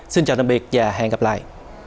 xin chào tạm biệt và hẹn gặp lại